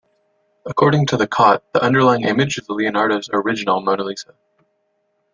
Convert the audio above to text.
According to Cotte, the underlying image is Leonardo's original Mona Lisa.